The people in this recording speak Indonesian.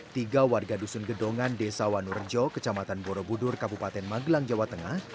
tiga warga dusun gedongan desa wanurejo kecamatan borobudur kabupaten magelang jawa tengah